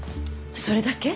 それだけ？